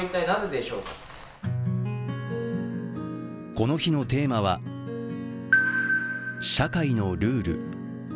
この日のテーマは社会のルール。